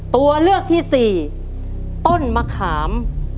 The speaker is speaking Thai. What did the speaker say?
ตัวเลือกที่สี่ต้นมะขาม